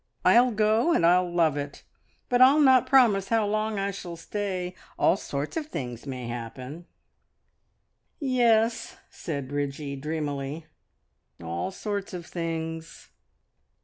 I'll go, and I'll love it; but I'll not promise how long I shall stay all sorts of things may happen." "Yes," said Bridgie dreamily, "all sorts of things!"